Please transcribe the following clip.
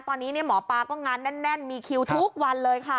ตอนนี้หมอปลาก็งานแน่นมีคิวทุกวันเลยค่ะ